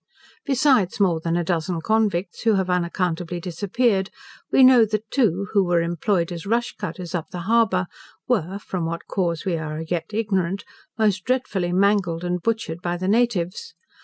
Besides more than a dozen convicts who have unaccountably disappeared, we know that two, who were employed as rush cutters up the harbour, were (from what cause we are yet ignorant) most dreadfully mangled and butchered by the natives.